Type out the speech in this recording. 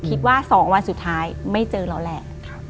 คิดว่า๒วันสุดท้ายไม่เจอเราแหละ